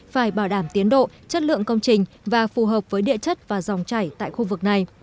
phải bảo đảm tiến độ chất lượng công trình và phù hợp với địa chất và dòng chảy tại khu vực này